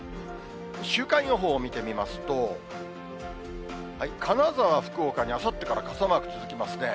週間予報を見てみますと、金沢、福岡にあさってから傘マーク続きますね。